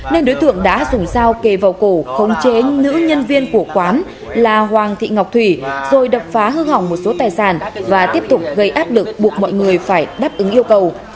nên đối tượng đã dùng dao kề vào cổ khống chế nữ nhân viên của quán là hoàng thị ngọc thủy rồi đập phá hư hỏng một số tài sản và tiếp tục gây áp lực buộc mọi người phải đáp ứng yêu cầu